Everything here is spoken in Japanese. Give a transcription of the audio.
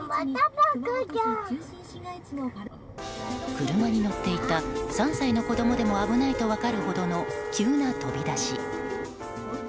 車に乗っていた３歳の子供でも危ないと分かるほどの急な飛び出し。